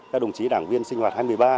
các đồng chí đảng viên sinh hoạt hai mươi ba